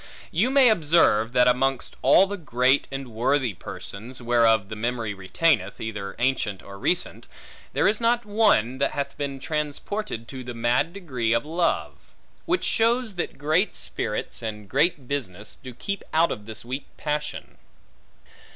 You may observe, that amongst all the great and worthy persons (whereof the memory remaineth, either ancient or recent) there is not one, that hath been transported to the mad degree of love: which shows that great spirits, and great business, do keep out this weak passion.